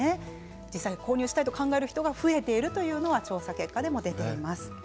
実際、購入したいと考えている人が増えているというのが調査結果では出ています。